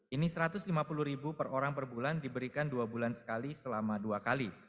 ini rp satu ratus lima puluh ribu per orang per bulan diberikan dua bulan sekali selama dua kali